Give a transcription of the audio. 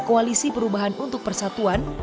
koalisi perubahan untuk persatuan